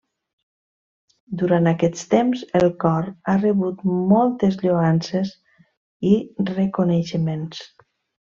Durant aquest temps, el cor ha rebut moltes lloances i reconeixements.